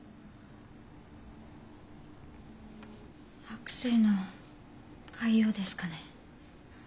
悪性の潰瘍ですかね。